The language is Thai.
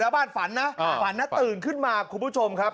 บ้านฝันนะตื่นขึ้นมาครับครูผู้ชมครับ